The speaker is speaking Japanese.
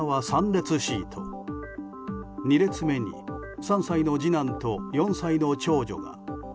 ２列目に３歳の次男と４歳の長女が。